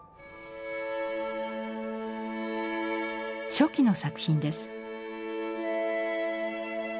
初期の作品です。